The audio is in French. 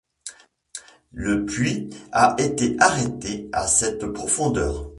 Le puits a été arrêté à cette profondeur.